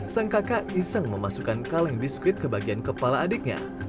sang kakak iseng memasukkan kaleng biskuit ke bagian kepala adiknya